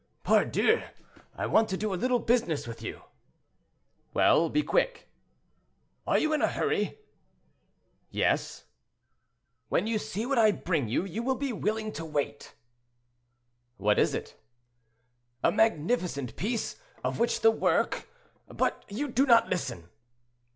"Pardieu! I want to do a little business with you."—"Well, be quick!" "Are you in a hurry?" "Yes." "When you have seen what I bring you, you will be willing to wait." "What is it?" "A magnificent piece, of which the work—but you do not listen."